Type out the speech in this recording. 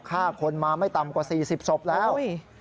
ฆ่าคนมาไม่ต่ำกว่า๔๐ศพแล้ว